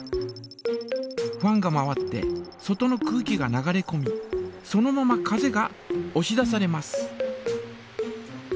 ファンが回って外の空気が流れこみそのまま風がおし出されます。